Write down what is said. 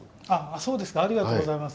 そうですかありがとうございます。